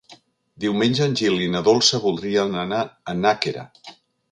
Diumenge en Gil i na Dolça voldrien anar a Nàquera.